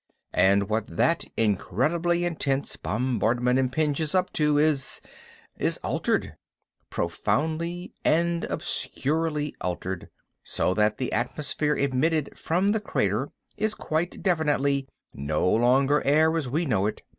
And what that incredibly intense bombardment impinges up is ... is altered. Profoundly and obscuredly altered, so that the atmosphere emitted from the crater is quite definitely no longer air as we know it.